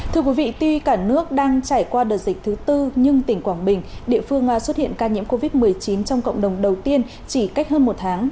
thưa quý vị tuy cả nước đang trải qua đợt dịch thứ tư nhưng tỉnh quảng bình địa phương xuất hiện ca nhiễm covid một mươi chín trong cộng đồng đầu tiên chỉ cách hơn một tháng